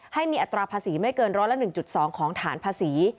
ให้มีอัตราภาษีไม่เกินร้อยละ๑๒ของฐานภาษี